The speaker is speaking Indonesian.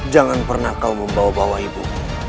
jangan pernah kau membawa bawa ibu